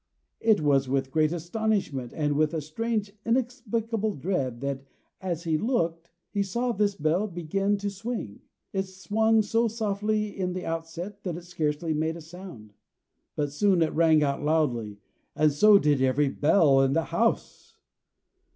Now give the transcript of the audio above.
It was with great astonishment, and with a strange, inexplicable dread, that as he looked, he saw this bell begin to swing. It swung so softly in the outset that it scarcely made a sound; but soon it rang out loudly, and so did every bell in the house.